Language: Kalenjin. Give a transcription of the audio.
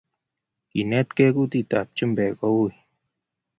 Kinetkei kutut ab chumbek koui